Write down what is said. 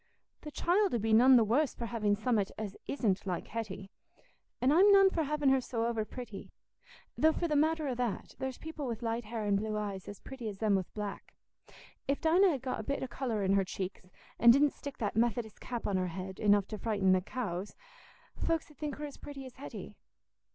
"The child 'ull be none the worse for having summat as isn't like Hetty. An' I'm none for having her so overpretty. Though for the matter o' that, there's people wi' light hair an' blue eyes as pretty as them wi' black. If Dinah had got a bit o' colour in her cheeks, an' didn't stick that Methodist cap on her head, enough to frighten the cows, folks 'ud think her as pretty as Hetty."